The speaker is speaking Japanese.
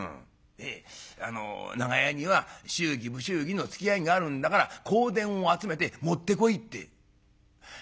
「であの『長屋には祝儀不祝儀のつきあいがあるんだから香典を集めて持ってこい』って」。